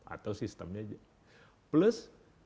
atau sistemnya aja plus